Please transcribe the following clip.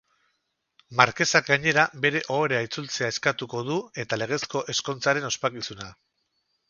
Markesak, gainera, bere ohorea itzultzea eskatuko du eta legezko ezkontzaren ospakizuna.